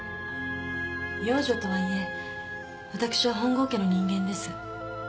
養女とはいえ私は本郷家の人間です。